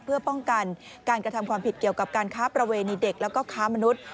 เพื่อป้องกันการกระทำความผิดเกี่ยวกับการค้าประเวณีเด็กแล้วก็ค้ามนุษย์